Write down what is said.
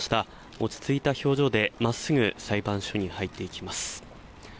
落ち着いた表情で真っすぐ裁判所に入っていきます。